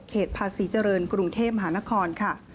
ภาษีเจริญกรุงเทพมหานครค่ะ